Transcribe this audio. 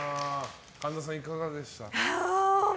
神田さん、いかがでした？